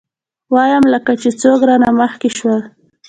ويم لکه چې څوک رانه مخکې شول.